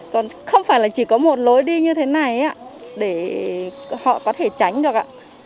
còn không phải là chỉ có một lối đi như thế này để họ có thể tránh được ạ